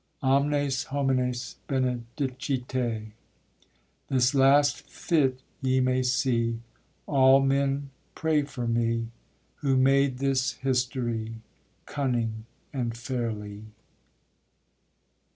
_ _Omnes homines benedicite! This last fitte ye may see, All men pray for me Who made this history Cunning and fairly.